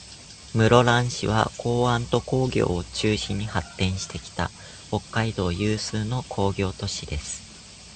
室蘭市は、港湾と工業を中心に発展してきた、北海道有数の工業都市です。